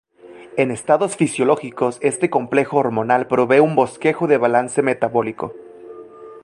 En estados fisiológicos, este complejo hormonal provee un bosquejo de balance metabólico.